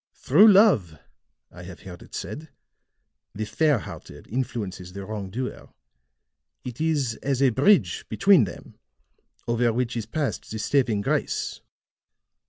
Through love, I have heard it said, the fair hearted influences the wrong doer. It is as a bridge between them, over which is passed the saving grace.